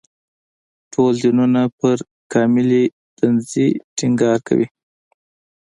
ټول دینونه پر کاملې تنزیې ټینګار کوي.